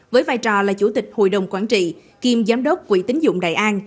với vai trò là chủ tịch hội đồng quản trị kiêm giám đốc quỹ tính dụng đại an